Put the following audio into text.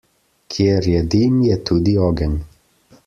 Kjer je dim, je tudi ogenj.